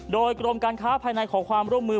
โดยกรมการค้าภายในขอความร่วมมือ